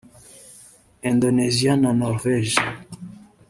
Indonesia na Norvège